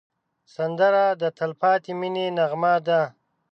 سندره د تل پاتې مینې نغمه ده